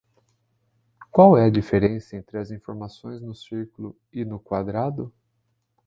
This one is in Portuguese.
Qual é a diferença entre as informações no círculo e no quadrado?